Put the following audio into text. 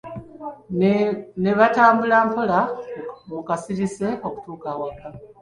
Ne batambula mpola mu kasirise okutuuka awaka.